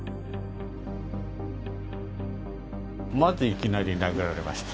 まずいきなり殴られました。